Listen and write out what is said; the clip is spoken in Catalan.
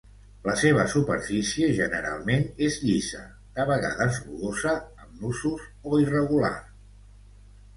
La seva superfície generalment és llisa, de vegades rugosa, amb nusos o irregular.